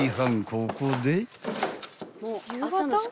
［ここで］